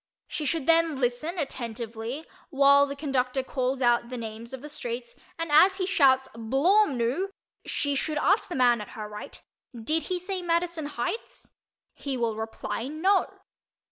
She should then listen attentively while the conductor calls out the names of the streets and as he shouts "Blawmnoo!" she should ask the man at her right "Did he say Madison Heights?" He will reply "No."